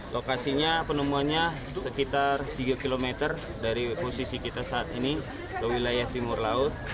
lokasinya penemuannya sekitar tiga km dari posisi kita saat ini ke wilayah timur laut